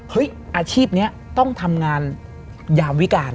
อาชีพนี้ต้องทำงานยามวิการ